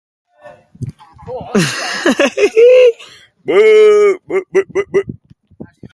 Nolako sufrikarioa ekarri dion jendetasunezko bisita honek!